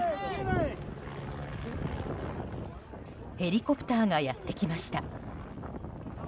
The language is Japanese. ヘリコプターがやってきました。